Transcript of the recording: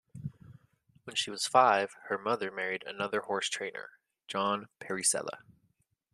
When she was five, her mother married another horse trainer, John Parisella.